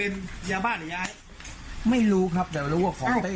เป็นยาบ้าหรือยาไม่รู้ครับแต่รู้ว่าของได้